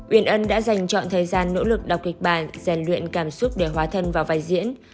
uyên ân đã dành chọn thời gian nỗ lực đọc kịch bản rèn luyện cảm xúc để hóa thân vào vai diễn